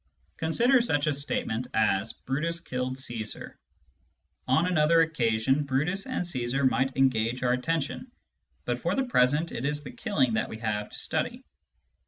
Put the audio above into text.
Consider such a statement as, " Brutus killed Caesar." On another occasion, Brutus and Caesar might engage our attention, but for the present it is the killing that we have to study.